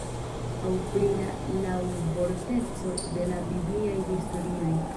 Aŭ pri la laŭvorteco de la bibliaj historioj.